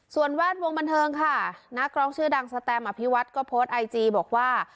ส่วนแวดวงบันเทิงค่ะนักร้องชื่อดังสแตมอภิวัฒน์ก็โพสต์ไอจีบอกว่า